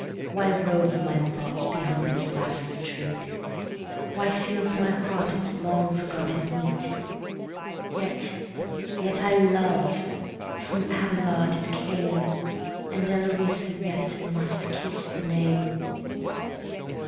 Why rove my thoughts beyond this last retreat? Why feels my heart its long forgotten heat? Yet, yet I love! From Abelard it came, And Eloisa yet must kiss the name.